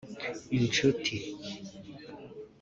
inshuti